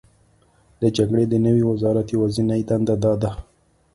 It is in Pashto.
د جګړې د نوي وزرات یوازینۍ دنده دا ده: